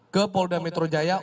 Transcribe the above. ke polda metro jaya